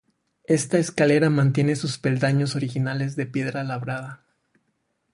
Esta escalera mantiene sus peldaños originales de piedra labrada.